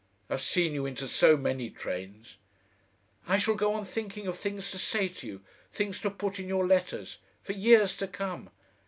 I've seen you into so many trains." "I shall go on thinking of things to say to you things to put in your letters. For years to come.